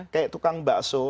kayak tukang bakso